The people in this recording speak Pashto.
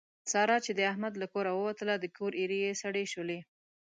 ساره چې د احمد له کوره ووتله د کور ایرې یې سړې شولې.